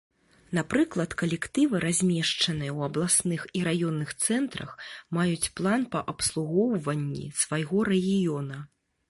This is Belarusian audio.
Напрыклад, калектывы, размешчаныя ў абласных і раённых цэнтрах, маюць план па абслугоўванні свайго рэгіёна.